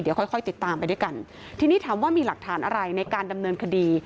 เดี๋ยวค่อยค่อยติดตามไปด้วยกันทีนี้ถามว่ามีหลักฐานอะไรในการดำเนินคดี